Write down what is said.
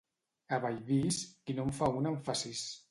A Bellvís, qui no en fa una en fa sis.